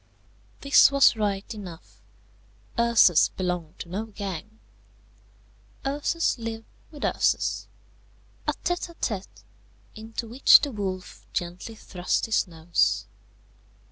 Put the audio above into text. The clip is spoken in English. This was right enough. Ursus belonged to no gang. Ursus lived with Ursus, a tête à tête, into which the wolf gently thrust his nose.